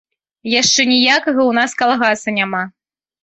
Яшчэ ніякага ў нас калгаса няма.